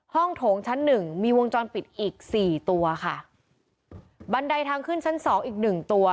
โถงชั้นหนึ่งมีวงจรปิดอีกสี่ตัวค่ะบันไดทางขึ้นชั้นสองอีกหนึ่งตัว